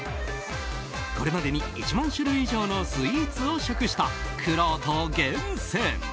これまでに１万種類以上のスイーツを食したくろうと厳選。